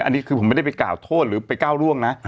อันนี้คือผมไม่ได้ไปกล่าวโทษหรือไปก้าวร่วงนะ